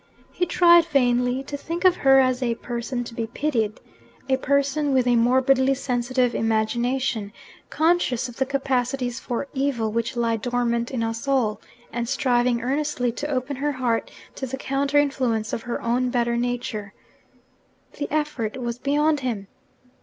He tried vainly to think of her as a person to be pitied a person with a morbidly sensitive imagination, conscious of the capacities for evil which lie dormant in us all, and striving earnestly to open her heart to the counter influence of her own better nature; the effort was beyond him.